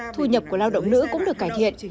thu nhập của lao động nữ cũng được cải thiện